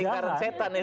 tingkaran setan itu